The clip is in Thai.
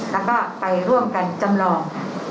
แล้วก็ไปร่วมกันจำลอง